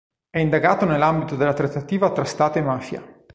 È indagato nell'ambito della trattativa tra Stato e mafia.